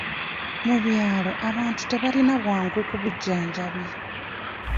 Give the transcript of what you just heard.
Mu byalo, abantu tebalina bwangu ku bujjanjabi.